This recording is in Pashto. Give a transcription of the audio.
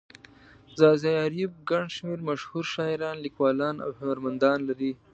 ځاځي اريوب گڼ شمېر مشهور شاعران، ليکوالان او هنرمندان لري.